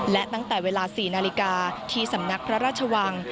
และตั้งแต่เวลา๔นาฬิกาที่สำนักพระราชวัง